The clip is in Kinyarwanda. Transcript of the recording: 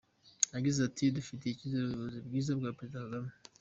Yagize ati “Dufitiye icyizere ubuyobozi bwiza bwa Perezida Kagame.